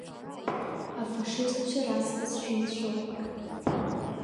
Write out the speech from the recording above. Афашистцәа раҵкыс шәеицәоуп.